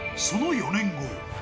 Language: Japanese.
その４年後。